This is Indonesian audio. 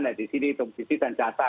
nah di sini itu bisnis dan jasa